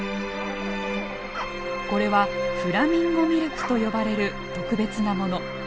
これはフラミンゴミルクと呼ばれる特別なもの。